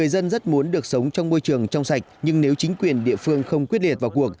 dân rất muốn được sống trong môi trường trong sạch nhưng nếu chính quyền địa phương không quyết liệt vào cuộc